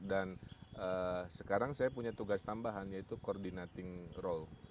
dan sekarang saya punya tugas tambahan yaitu coordinating role